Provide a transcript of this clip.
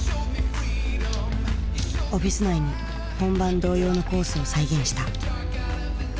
オフィス内に本番同様のコースを再現した。